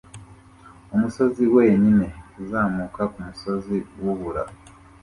umusozi wenyine uzamuka kumusozi wubura